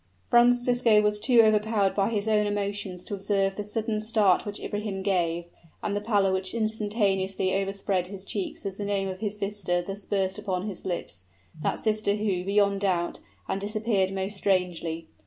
Francisco was too overpowered by his own emotions to observe the sudden start which Ibrahim gave, and the pallor which instantaneously overspread his cheeks as the name of his sister thus burst upon his ears that sister who, beyond doubt, had disappeared most strangely.